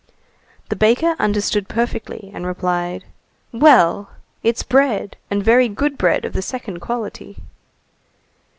The baker understood perfectly, and replied:— "Well! It's bread, and very good bread of the second quality."